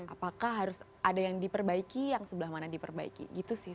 apakah harus ada yang diperbaiki yang sebelah mana diperbaiki gitu sih